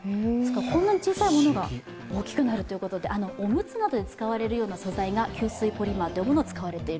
こんなに小さいものが大きくなるということでおむつなどで使われるような素材が吸水ポリマーというものです。